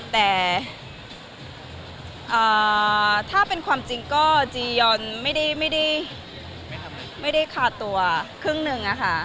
แต่ถ้าเป็นความจริงก็จียอนไม่ได้คาตัวครึ่งหนึ่งอะค่ะ